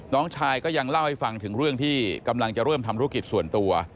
น้องชายก็ยังเล่าให้ฟังถึงเรื่องที่กำลังจะเริ่มทำธุรกิจส่วนตัว